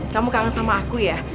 kamu kangen sama aku ya